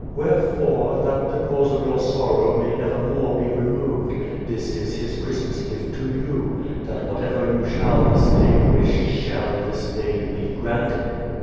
" Wherefore, that the cause of your sorrow may evermore be removed, this is His Christ mas gift to you that whatever you shall this day wish shall, this day, be granted."